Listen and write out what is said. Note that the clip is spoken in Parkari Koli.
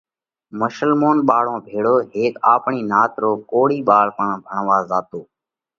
مشلمونَ ٻاۯون ڀيۯو هيڪ آپڻِي نات رو ڪوۯِي ٻاۯ پڻ ڀڻوا زاتو۔